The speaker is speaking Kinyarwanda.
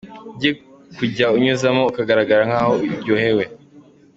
Ukwiye kujya unyuzamo ukagaragara nkaho uryohewe.